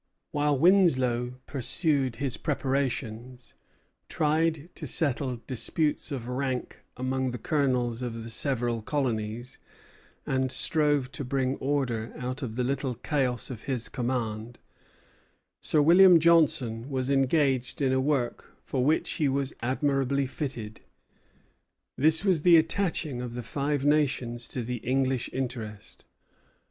While Winslow pursued his preparations, tried to settle disputes of rank among the colonels of the several colonies, and strove to bring order out of the little chaos of his command, Sir William Johnson was engaged in a work for which he was admirably fitted. This was the attaching of the Five Nations to the English interest.